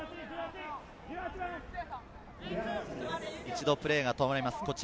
一度プレーが止まります。